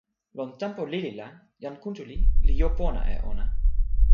lon tenpo lili la, jan Kuntuli li jo pona e ona.